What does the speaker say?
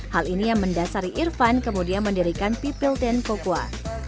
hal ini yang mendasari irfan kemudian mendirikan pipil tencokwa